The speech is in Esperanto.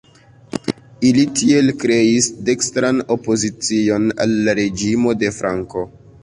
Ili tiel kreis "dekstran opozicion" al la reĝimo de Franko.